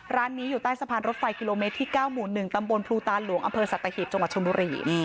ร้านนี้อยู่ใต้สะพานรถไฟกิโลเมตรที่๙หมู่๑ตำบลภูตาหลวงอำเภอสัตหีบจังหวัดชนบุรี